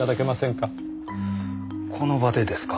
この場でですか？